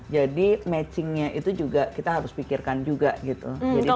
jadi matchingnya itu juga kita harus pikirkan juga gitu